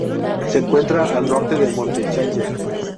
Se encuentra al norte del Monte Challenger.